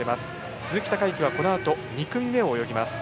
鈴木孝幸は、このあと２組目を泳ぎます。